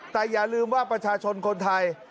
แต่อย่าลืมว่าประชาชนคนไทย